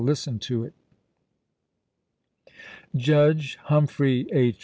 h, 43.'' listen to it. Judge Humphrey H.